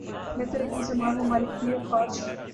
بہتر ہے کہ مسلمان ممالک اپنی افواج